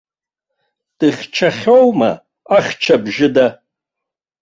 Дыхьчахьоума ахьча бжьыда?!